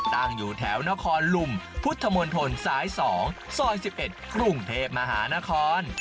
ตั้งอยู่แถวนครลุมพุทธมนตรสาย๒ซอย๑๑กรุงเทพมหานคร